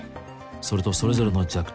「それとそれぞれの弱点を」